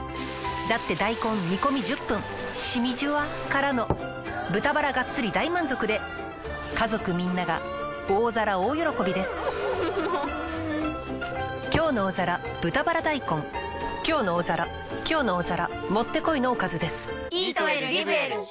だって大根煮込み１０分しみじゅわからの豚バラがっつり大満足で家族みんなが大皿大喜びです「きょうの大皿」「きょうの大皿」もってこいのおかずです。